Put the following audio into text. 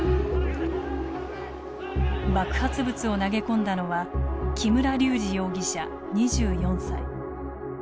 爆発物を投げ込んだのは木村隆二容疑者２４歳。